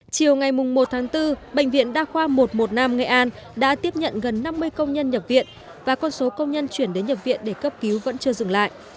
chiều ngày một tháng bốn bệnh viện đa khoa một trăm một mươi năm nghệ an đã tiếp nhận gần năm mươi công nhân nhập viện và con số công nhân chuyển đến nhập viện để cấp cứu vẫn chưa dừng lại